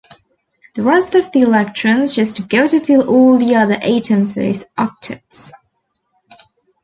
The rest of the electrons just go to fill all the other atoms' octets.